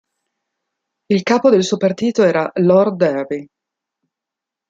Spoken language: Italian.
Il capo del suo partito era Lord Derby.